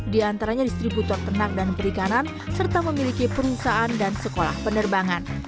di antaranya distributor ternak dan perikanan serta memiliki perusahaan dan sekolah penerbangan